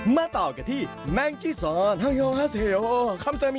มาต่อกับที่แมงจีซอนขอบคุณครับ